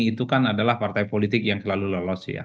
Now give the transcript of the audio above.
itu kan adalah partai politik yang selalu lolos ya